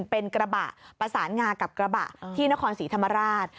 เป็นกระบะประสานงากับกระบะที่นครศรีธรรมราช